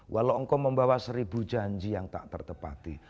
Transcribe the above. walau engkau membawa seribu janji yang tak tertepati